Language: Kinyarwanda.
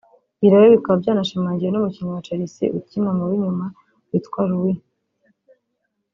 Ibi rero bikaba byanashimangiwe n’umukinnyi wa Chelsea ukina mub’inyuma witwa Luiz